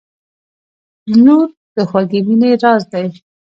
• لور د خوږې مینې راز دی.